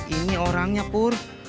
ini orangnya pur